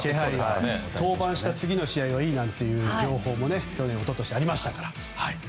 登板した次の試合はいいなんていう情報も去年、一昨年とありましたから。